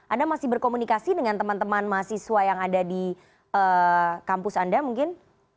anda masih berkomunikasi dengan teman teman mahasiswa yang ada di kampus anda mungkin